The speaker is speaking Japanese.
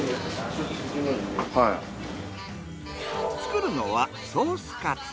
作るのはソースカツ。